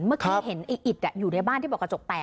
เมื่อกี้เห็นไอ้อิดอยู่ในบ้านที่บอกกระจกแตก